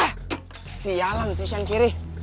ah sialan si shankiri